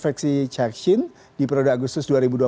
faksyi ceksin di periode agustus